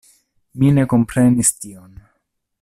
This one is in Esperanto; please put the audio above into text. Mi ne komprenis tion.